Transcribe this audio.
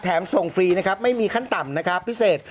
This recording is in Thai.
ส่งฟรีนะครับไม่มีขั้นต่ำนะครับพิเศษ